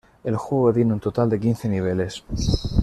El juego tiene un total de quince niveles.